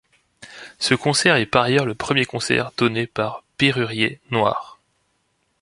Ce concert est par ailleurs le premier concert donné par Bérurier Noir.